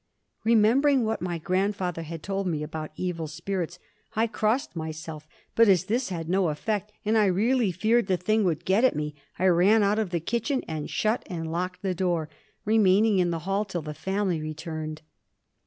Remembering what my grandfather had told me about evil spirits, I crossed myself; but as this had no effect, and I really feared the thing would get at me, I ran out of the kitchen and shut and locked the door, remaining in the hall till the family returned.